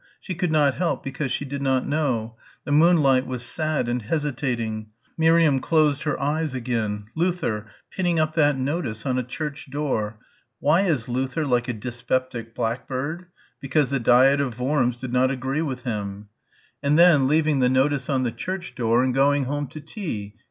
She could not help because she did not know. The moonlight was sad and hesitating. Miriam closed her eyes again. Luther ... pinning up that notice on a church door.... (Why is Luther like a dyspeptic blackbird? Because the Diet of Worms did not agree with him) ... and then leaving the notice on the church door and going home to tea